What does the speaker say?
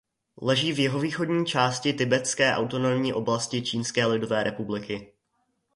Leží v jihovýchodní části Tibetské autonomní oblasti Čínské lidové republiky.